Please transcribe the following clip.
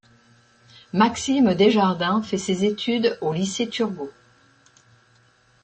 Maxime Desjardins fait ses études au Lycée Turgot.